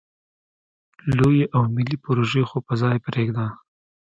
لویې او ملې پروژې خو په ځای پرېږده.